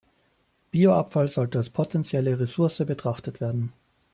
Bioabfall sollte als potenzielle Ressource betrachtet werden.